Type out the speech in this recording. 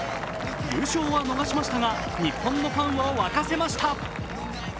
優勝は逃しましたが、日本のファンを沸かせました。